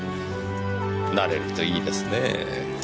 なれるといいですね。